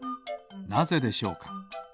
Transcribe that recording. なぜでしょうか？